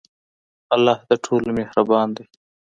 الله د ټولو مهربان دی.